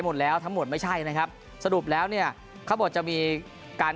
หมดแล้วทั้งหมดไม่ใช่นะครับสรุปแล้วเนี่ยเขาบอกจะมีการ